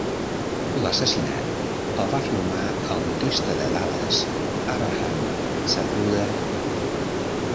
L'assassinat el va filmar el modista de Dallas Abraham Zapruder.